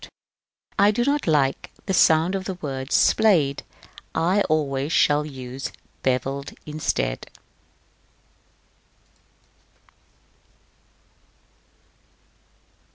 I do not like the sound of the word "splayed;" I always shall use "bevelled" instead.